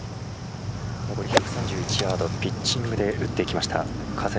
残り１３１ヤードピッチングで打っていきました。